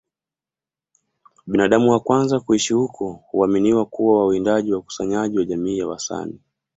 Binadamu wa kwanza kuishi huko huaminiwa kuwa wawindaji wakusanyaji wa jamii ya Wasani